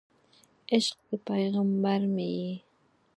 عشق د پیغمبر مې یې